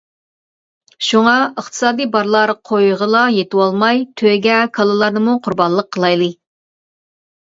شۇڭا ئىقتىسادى بارلار قويغىلا يېتىۋالماي تۆگە، كالىلارنىمۇ قۇربانلىق قىلايلى.